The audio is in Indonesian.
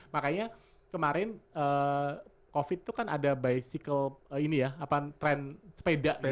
makanya kemarin covid itu kan ada bycle ini ya tren sepeda